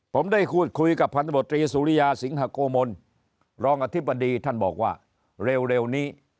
ผมได้พูดคุยกับพันธบตรีสุริยาสิงหาโกมลรองอธิบดีท่านบอกว่าเร็วนี้